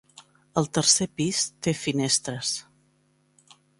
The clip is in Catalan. El tercer pis té finestres.